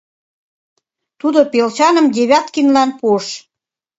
— Тудо пелчаным Девяткинлан пуыш.